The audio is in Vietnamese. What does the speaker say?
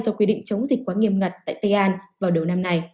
theo quy định chống dịch quá nghiêm ngặt tại tây an vào đầu năm nay